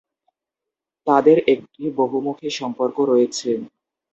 তাদের একটি বহুমুখী সম্পর্ক রয়েছে।